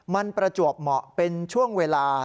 มันประจวบเหมาะเป็นช่วงเวลา